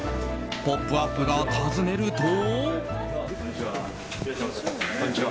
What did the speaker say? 「ポップＵＰ！」が訪ねると。